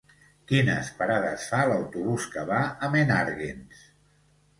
Quines parades fa l'autobús que va a Menàrguens?